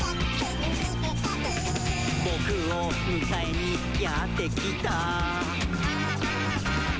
「ぼくをむかえにやってきた？」